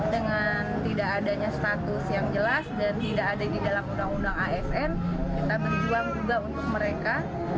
dengan tidak adanya status yang jelas dan tidak ada di dalam undang undang asn kita berjuang juga untuk mereka